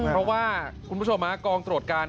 เพราะว่าคุณผู้ชมกองตรวจการ